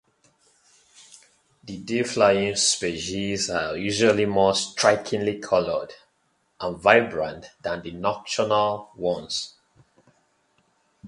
The day-flying species are usually more strikingly colored and vibrant than the nocturnal ones.